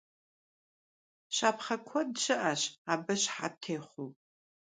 Щапхъэ куэд щыӀэщ абы щыхьэт техъуэу.